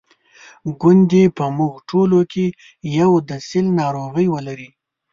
ګوندي په موږ ټولو کې یو د سِل ناروغي ولري.